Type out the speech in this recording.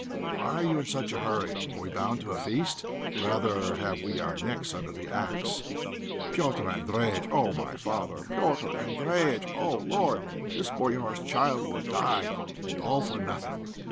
Why are you in such a hurry? Are we bound to a feast? Rather have we our necks under the axe. Petr' Andréjïtch! Oh! my father, Petr' Andréjïtch! Oh, Lord! this 'boyár's' child will die, and all for nothing!"